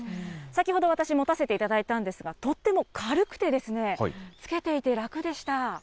先ほど、私持たせていただいたんですが、とっても軽くてですね、つけていて楽でした。